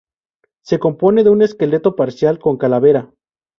Se compone de un esqueleto parcial con calavera.